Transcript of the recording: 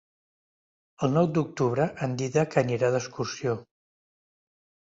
El nou d'octubre en Dídac anirà d'excursió.